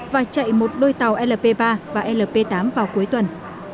và chạy một đôi tàu lp ba và lp tám vào cuối tuần